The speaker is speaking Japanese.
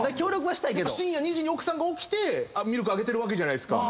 深夜２時に奥さんが起きてミルクあげてるわけじゃないですか。